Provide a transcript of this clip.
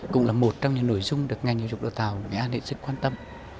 cũng là một trong những nội dung được ngành dục đồ tàu nghệ an rất quan tâm